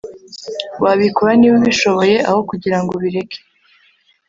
wabikora niba ubishoboye. aho kugirango ubireke